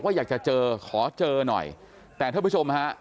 อยากจะเจอขอเจอหน่อยแต่ท่านผู้ชมฮะ